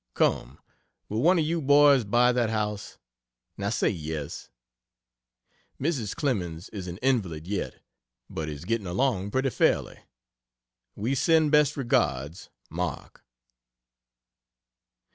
Come, will one of you boys buy that house? Now say yes. Mrs. Clemens is an invalid yet, but is getting along pretty fairly. We send best regards. MARK.